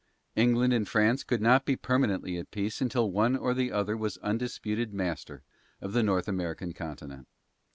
England and France could not be permanently at peace until one or the other was undisputed master of the North American continent.